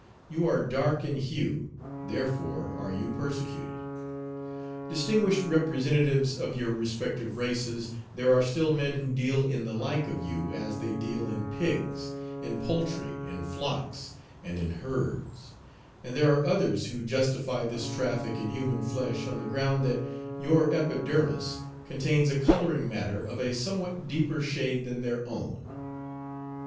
You are dark in hue, therefore are you persecuted. Distinguished representatives of your respective races, there are still men who deal in the like of you as they deal in pigs, in poultry, in flocks, and in herds, and there are others who justify this traffic in human flesh on the ground that your epidermis contains a coloring matter of a somewhat deeper shade than their own.